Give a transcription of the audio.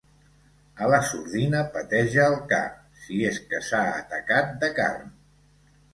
A la sordina peteja el ca, si és que s'ha atacat de carn.